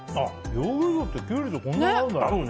ヨーグルトってキュウリとこんな合うんだ！